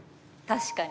確かに。